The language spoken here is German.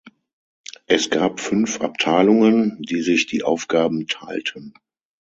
Es gab fünf Abteilungen, die sich die Aufgaben teilten.